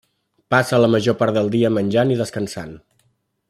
Passa la major part del dia menjant i descansant.